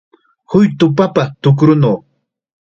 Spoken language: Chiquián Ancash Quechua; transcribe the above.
Huytu papa tukrunaw